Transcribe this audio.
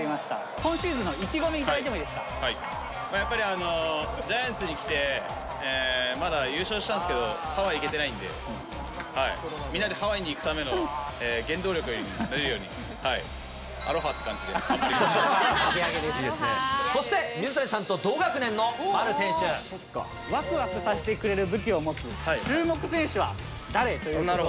今シーズンのやっぱり、ジャイアンツに来てまだ、優勝したんですけど、ハワイ行けてないんで、みんなでハワイに行くための原動力になれるように、そして、水谷さんと同学年のわくわくさせてくれる武器を持つ注目選手は誰？ということで。